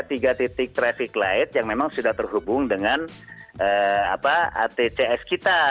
ada tiga titik traffic light yang memang sudah terhubung dengan atcs kita